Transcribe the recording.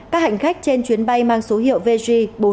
các hành khách trên chuyến bay mang số hiệu vg bốn trăm năm mươi tám